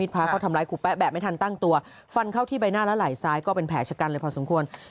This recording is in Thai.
ไปหน้าและไหล้ซ้ายก็เป็นแผลชะกันเลยพอสมควร